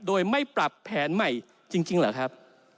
โดยไม่ปรับแผนใหม่จริงเหรอครับ